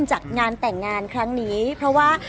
จากงานแต่งงานครั้งนี้เพราะว่า